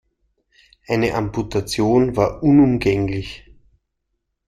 Eine Amputation war unumgänglich.